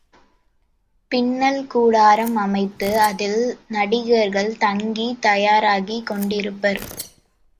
பின்னல் கூடாரம் அமைத்து அதில் நடிகர்கள் தங்கித் தயாராகிக் கொண்டிருப்பர்.